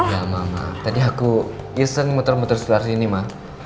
ya mama tadi aku irsen muter muter setelah sini ma